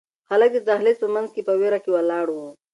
هلک د دهلېز په منځ کې په وېره کې ولاړ و.